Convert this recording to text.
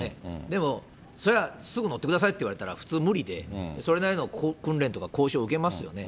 でもそれは、すぐ乗ってくださいって言われたら、普通無理で、それなりの訓練とか講習を受けますよね。